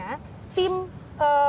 pembuat naskah pidana